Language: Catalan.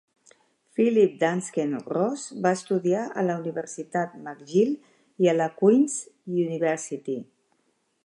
Philip Dansken Ross va estudiar a la Universitat McGill i a la Queen's University.